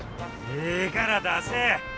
ええから出せ！